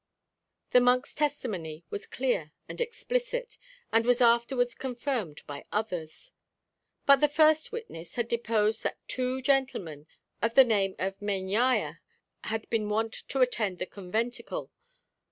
The monk's testimony was clear and explicit, and was afterwards confirmed by others. But the first witness had deposed that two gentlemen of the name of Meñaya had been wont to attend the conventicle.